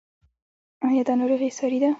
ایا دا ناروغي ساری ده؟